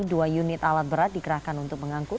dua unit alat berat dikerahkan untuk mengangkut